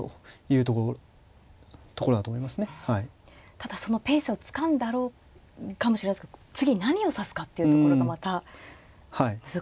ただそのペースをつかんだかもしれないですけど次何を指すかっていうところがまた難しいところですね。